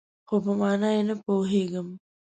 خو، په مانا یې نه پوهیږم